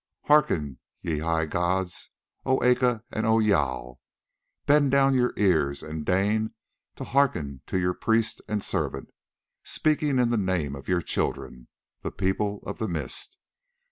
"Hearken, ye high gods! O Aca! and O Jâl! Bend down your ears and deign to hearken to your priest and servant, speaking in the name of your children, the People of the Mist.